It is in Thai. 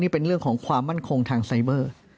เป็นเรื่องของความมั่นคงทางไซเบอร์